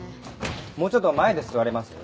もうちょっと前で座れます？